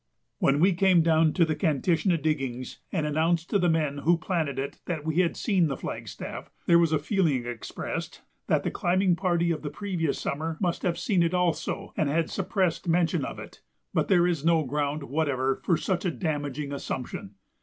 When we came down to the Kantishna diggings and announced to the men who planted it that we had seen the flagstaff, there was a feeling expressed that the climbing party of the previous summer must have seen it also and had suppressed mention of it; but there is no ground whatever for such a damaging assumption.